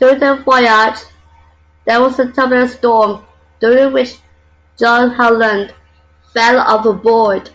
During the voyage there was a turbulent storm during which John Howland fell overboard.